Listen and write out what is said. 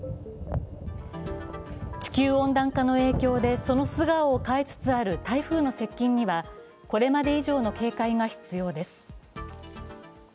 地球温暖化の影響で、その素顔を変えつつある台風の接近にはこれまで以上の警戒が必要です。